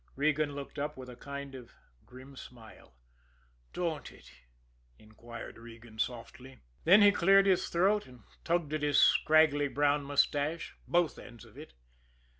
Regan looked up with a kind of a grim smile. "Don't it?" inquired Regan softly. Then he cleared his throat, and tugged at his scraggly brown mustache both ends of it.